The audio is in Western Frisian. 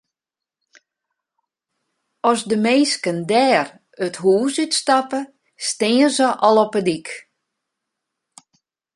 As de minsken dêr it hûs út stappe, stean se al op de dyk.